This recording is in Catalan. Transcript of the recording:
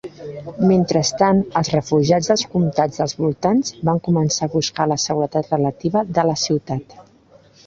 Mentrestant, els refugiats dels comtats dels voltants van començar a buscar la seguretat relativa de la ciutat.